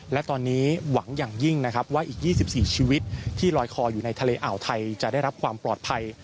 และตอนนี้หวังอย่างยิ่งนะครับว่าอีก๒๔ชีวิตที่ลอยคออยู่ในทะเลอ่าวไทยจะได้รับความปลอดภัย